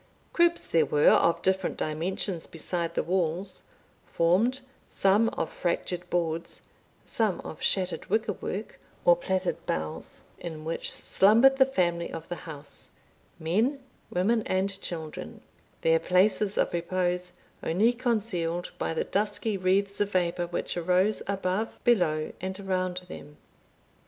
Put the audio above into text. Cribs there were of different dimensions beside the walls, formed, some of fractured boards, some of shattered wicker work or plaited boughs, in which slumbered the family of the house, men, women, and children, their places of repose only concealed by the dusky wreaths of vapour which arose above, below, and around them.